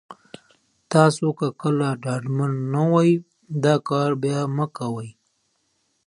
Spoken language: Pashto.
پلان جوړونه څه معنا لري؟